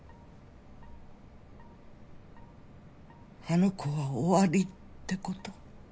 あの子は終わりってこと？